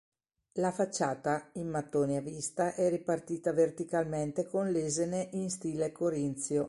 La facciata, in mattoni a vista è ripartita verticalmente con lesene in stile corinzio.